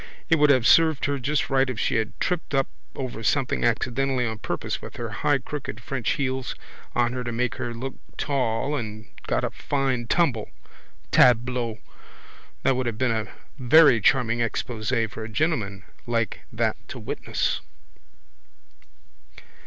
It would have served her just right if she had tripped up over something accidentally on purpose with her high crooked French heels on her to make her look tall and got a fine tumble. Tableau! That would have been a very charming exposé for a gentleman like that to witness.